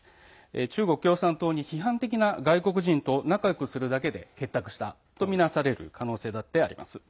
中国共産党に批判的な外国人と仲よくしただけで結託したとみなされる可能性だってあります。